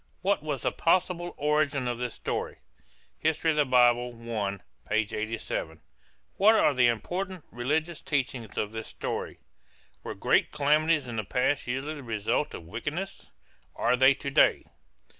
What was the possible origin of this story? (Hist. Bible I, 87.) What are the important religious teachings of this story? Were great calamities in the past usually the result of wickedness? Are they to day?